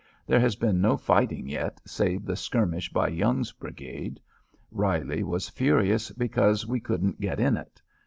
There has been no fighting yet save the skirmish by Young's brigade. Reilly was furious because we couldn't get in it.